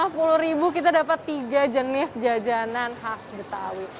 rp lima puluh kita dapat tiga jenis jajanan khas betawi